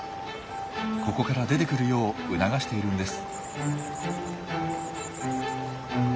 ここから出てくるよう促しているんです。